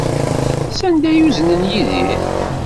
Sanda ay uznen Yidir?